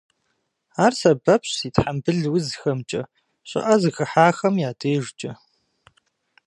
Ар сэбэпщ зи тхьэмбыл узхэмкӏэ, щӏыӏэ зыхыхьахэм я дежкӏэ.